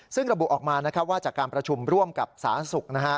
ซึ่งระบุออกมาว่าจากการประชุมร่วมกับสาธารณสุข